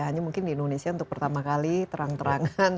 hanya mungkin di indonesia untuk pertama kali terang terangan